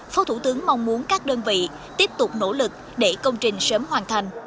phó thủ tướng mong muốn các đơn vị tiếp tục nỗ lực để công trình sớm hoàn thành